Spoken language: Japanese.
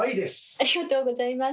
ありがとうございます。